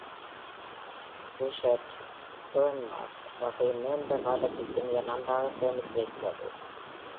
Russet Burbank வகை நீண்ட காலத்திற்கு மிக நன்றாக சேமித்துவைக்கிறது.